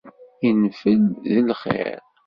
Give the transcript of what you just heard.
Yenfel d lxiṛ.